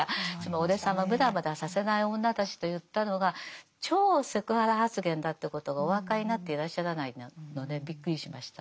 俺様をムラムラさせない女たちと言ったのが超セクハラ発言だということがお分かりになっていらっしゃらないのでびっくりしました。